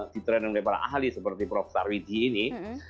ditrener oleh para ahli seperti prof sarwiti ini